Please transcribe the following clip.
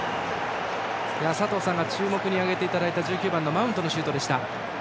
佐藤さんが注目に挙げていただいた１９番、マウントのシュート。